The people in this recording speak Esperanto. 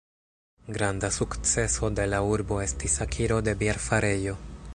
Granda sukceso de la urbo estis akiro de bierfarejo.